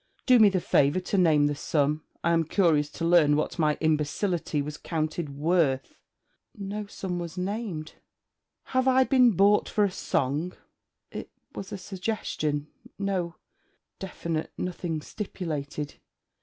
'Do me the favour to name the sum. I am curious to learn what my imbecility was counted worth.' 'No sum was named.' 'Have I been bought for a song?' 'It was a suggestion no definite... nothing stipulated.'